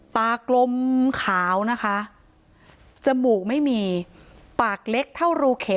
กลมขาวนะคะจมูกไม่มีปากเล็กเท่ารูเข็ม